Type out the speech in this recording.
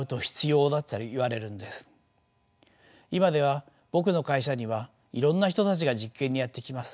今では僕の会社にはいろんな人たちが実験にやって来ます。